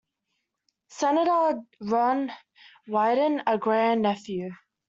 Senator Ron Wyden a grandnephew.